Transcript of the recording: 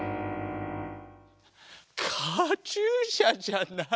カチューシャじゃない。